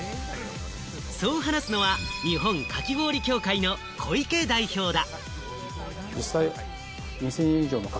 そう話すのは日本かき氷協会の小池代表だ。